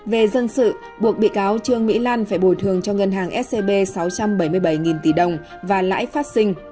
về dân sự buộc bị cáo trương mỹ lan phải bồi thường cho ngân hàng scb sáu trăm bảy mươi bảy tỷ đồng và lãi phát sinh